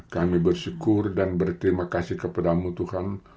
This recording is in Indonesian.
kami bersyukur dan berterima kasih kepadamu tuhan